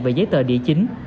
về giấy tờ địa chính